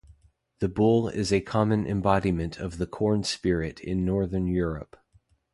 The bull is a common embodiment of the corn-spirit in Northern Europe.